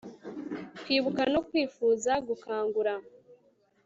Kwibuka no kwifuza gukangura